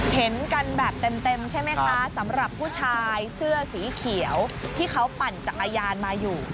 เห็นกันแบบเต็มใช่ไหมคะสำหรับผู้ชายเสื้อสีเขียวที่เขาปั่นจักรยานมาอยู่